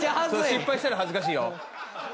失敗したら恥ずかしいよ。